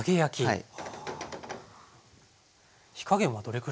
はい。